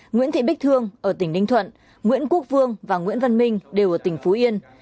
nguyễn thị bích thương ở tỉnh ninh thuận nguyễn quốc vương và nguyễn văn minh đều ở tỉnh phú yên